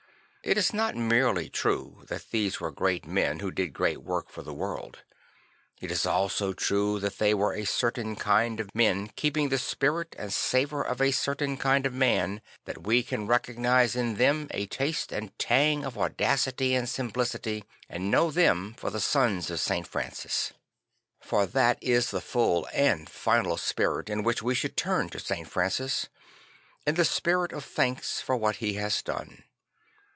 It is not merely true that these were great men who did great work for the world; it is also true that they were a certain kind of men keeping the spirit and savour of a certain kind of man, that we can recognise in them a taste and tang of audacity and simplicity, and know them for the sons of St. Francis. For that is the full and final spirit in which we should turn to St. Francis; in the spirit of thanks for what he has done.